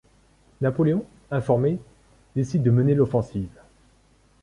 Napoléon, informé, décide de mener l'offensive.